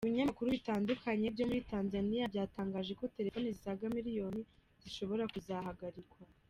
Ibinyamakuru bitandukanye byo muri Tanzania byatangaje ko telefone zisaga miliyoni zishobora kuzahagarikwa.